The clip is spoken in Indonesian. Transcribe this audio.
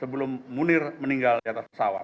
sebelum munir meninggal di atas pesawat